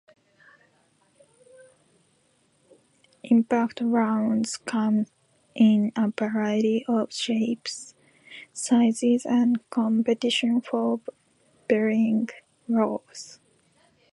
Impact rounds come in a variety of shapes, sizes and compositions for varying roles.